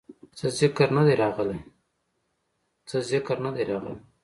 څۀ ذکر نۀ دے راغلے